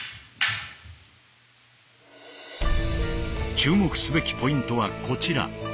注目すべきポイントはこちら。